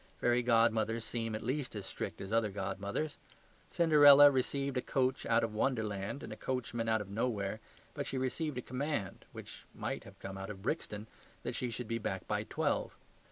Fairy godmothers seem at least as strict as other godmothers. Cinderella received a coach out of Wonderland and a coachman out of nowhere, but she received a command which might have come out of Brixton that she should be back by twelve.